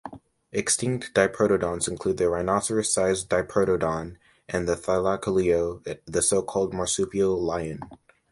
Extinct diprotodonts include the rhinoceros-sized "Diprotodon", and "Thylacoleo", the so-called "marsupial lion".